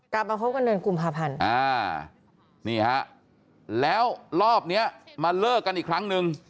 มาคบกันเดือนกุมภาพันธ์นี่ฮะแล้วรอบเนี้ยมาเลิกกันอีกครั้งนึง